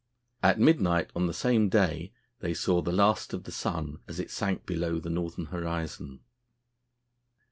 At midnight on the same day they saw the last of the sun as it sank below the northern horizon.